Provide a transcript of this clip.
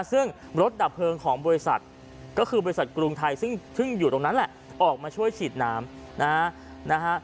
ซึ่งรถดับเพลิงของบริษัทก็คือบริษัทกรุงไทยซึ่งอยู่ตรงนั้นแหละออกมาช่วยฉีดน้ำนะฮะ